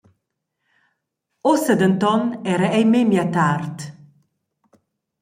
Ussa denton era ei memia tard.